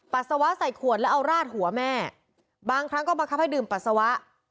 ปัสสาวะใส่ขวดแล้วเอาราดหัวแม่บางครั้งก็บังคับให้ดื่มปัสสาวะ